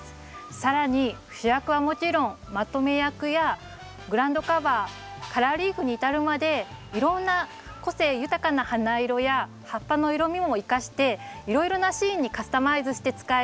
更に主役はもちろんまとめ役やグラウンドカバーカラーリーフに至るまでいろんな個性豊かな花色や葉っぱの色味も生かしていろいろなシーンにカスタマイズして使える。